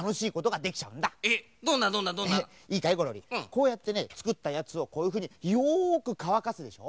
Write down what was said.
こうやってねつくったやつをこういうふうによくかわかすでしょ。